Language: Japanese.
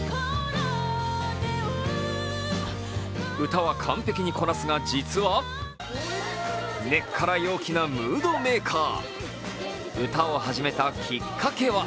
歌は完璧にこなすが実は根っから陽気なムードメーカー。